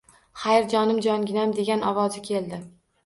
— Xayr, jonim, jonginam! — degan ovozi keldi…